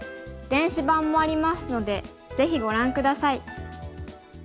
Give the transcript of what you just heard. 電子版もありますのでぜひご覧下さい。